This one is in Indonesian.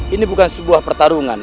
ini bukan sebuah pertarungan